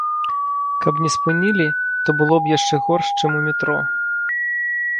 Каб не спынілі, то было б яшчэ горш, чым у метро.